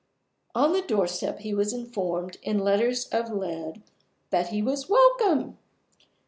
On the doorstep he was informed, in letters of lead, that he was "Welcome!"